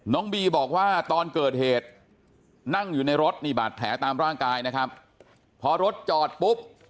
น้องบีบอกว่าตอนเกิดเหตุนั่งอยู่ในรถนี่บาดแผลตามร่างกายนะครับพอรถจอดปุ๊บ